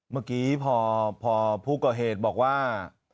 เมื่อกี้พอผู้ก่อเหตุบอกว่า